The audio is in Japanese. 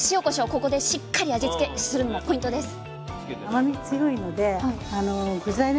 ここでしっかり味付けするのもポイントです